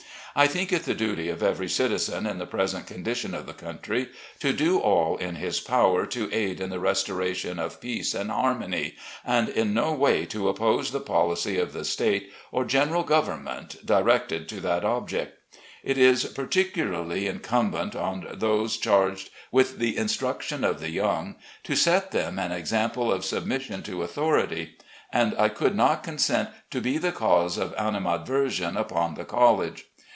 I think it the duty of every citizen, in the present condition of the country, to do all in his power to aid in the restora tion of peace and harmony, and in no way to oppose the policy of the State or general government directed to that object. It is particularly incumbent on those charged with the instruction of the young to set them an example of submission to authority, and I could not consent to be the cause of animadversion upon the college.